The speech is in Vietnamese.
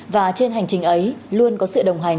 và trên hành trình ấy luôn có sự đồng hành